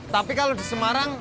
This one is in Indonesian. tapi kalau di semarang